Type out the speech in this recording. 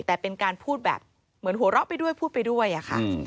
แต่เป็นการพูดแบบเหมือนหัวเราะไปด้วยพูดไปด้วยอะค่ะ